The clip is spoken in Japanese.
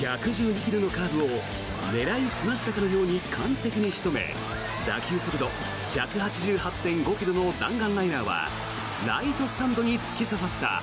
１１２ｋｍのカーブを狙い澄ましたかのように完璧に仕留め打球速度１８８．５ｋｍの弾丸ライナーはライトスタンドに突き刺さった。